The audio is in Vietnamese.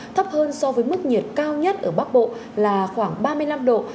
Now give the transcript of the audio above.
thấp hơn so với mức nhiệt cao nhất ở bắc bộ là khoảng ba mươi năm độ